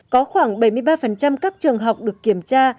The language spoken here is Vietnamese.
có khoảng bảy mươi ba các trường học được kiểm tra